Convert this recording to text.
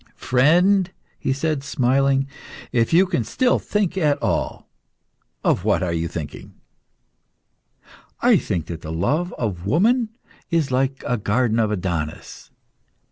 "Friend," he said, smiling, "if you can still think at all of what are you thinking?" "I think that the love of women is like a garden of Adonis."